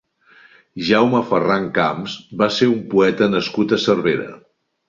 Jaume Ferran Camps va ser un poeta nascut a Cervera.